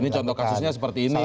ini contoh kasusnya seperti ini